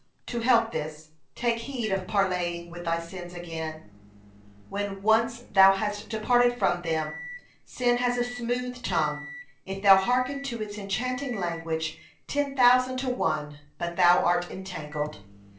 To help this, take heed of parleying with thy sins again, when once thou hast departed from them: sin has a smooth tongue; if thou hearken to its enchanting language, ten thousand to one but thou art entangled.